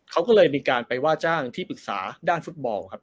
เขาก็เลยมีการไปว่าจ้างที่ปรึกษาด้านฟุตบอลครับ